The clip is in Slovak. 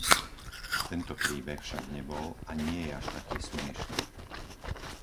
Tento príbeh však nebol a nie je až taký smiešny.